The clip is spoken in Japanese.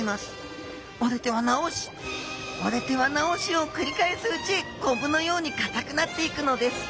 折れては治し折れては治しをくり返すうちコブのようにかたくなっていくのです。